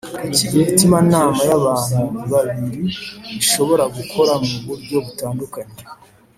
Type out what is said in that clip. Kuki imitimanama y’ abantu babiri ishobora gukora mu buryo butandukanye